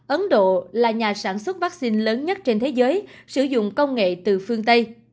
ấn độ là nhà sản xuất vaccine lớn nhất trên thế giới sử dụng công nghệ từ phương tây